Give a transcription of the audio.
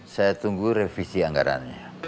saya tunggu revisi anggarannya